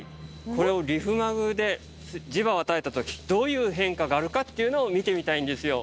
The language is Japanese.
これをリフマグで磁場を与えたときどういう変化があるかっていうのを見てみたいんですよ